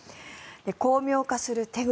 巧妙化する手口